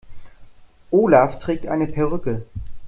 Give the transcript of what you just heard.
Olaf trägt eine Perücke.